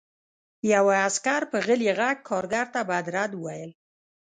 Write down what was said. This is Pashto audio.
یوه عسکر په غلي غږ کارګر ته بد رد وویل